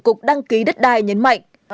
cục đăng ký đất đai nhấn mạnh